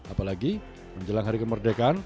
apalagi menjelang hari kemerdekaan